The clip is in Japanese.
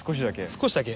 少しだけ。